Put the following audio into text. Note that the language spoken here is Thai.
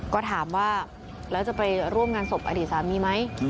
ก็ถามว่าแล้วจะไปร่วมงานศพอดีตสามีไหม